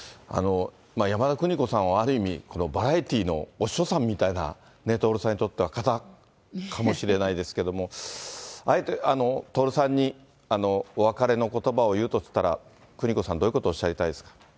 山田邦子さんは、ある意味、バラエティのお師匠さんみたいなね、徹さんにとっては方かもしれないですけど、徹さんにお別れのことばを言うとしたら、邦子さん、どういうことをおっしゃりたいですか。